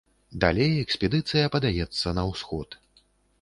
Далей экспедыцыя падаецца на ўсход.